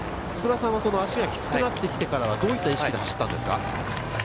佃さんも足がきつくなってからはどういった印象で走ったんですか？